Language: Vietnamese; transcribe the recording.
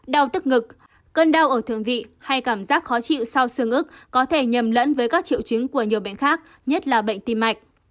đau tức ngực cơn đau ở thượng vị hay cảm giác khó chịu sau sương ức có thể nhầm lẫn với các triệu chứng của nhiều bệnh khác nhất là bệnh tim mạch